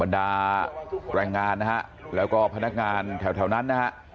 ดาแรงงานนะฮะแล้วก็พนักงานแถวนั้นนะฮะ